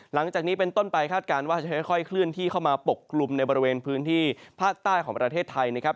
หลังจากนี้เป็นต้นไปคาดการณ์ว่าจะค่อยเคลื่อนที่เข้ามาปกกลุ่มในบริเวณพื้นที่ภาคใต้ของประเทศไทยนะครับ